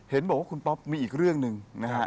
เห็นบอกว่าคุณป๊อปมีอีกเรื่องหนึ่งนะฮะ